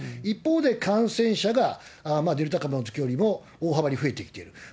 一方で感染者がデルタ株のときよりも大幅に増えてきている。